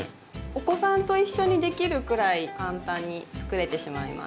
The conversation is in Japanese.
お子さんと一緒にできるくらい簡単に作れてしまいます。